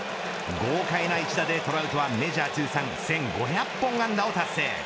豪快な一打でトラウトはメジャー通算１５００本安打を達成。